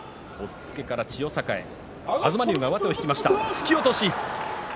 突き落とし。